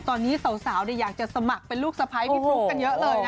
ตอนนี้สาวอยากจะสมัครเป็นลูกสะพ้ายพี่ฟลุ๊กกันเยอะเลยนะ